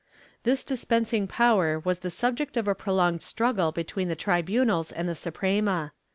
This dispensing power was the subject of a prolonged struggle between the tribunals and the Suprema.